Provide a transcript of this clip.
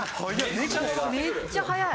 めっちゃ速い！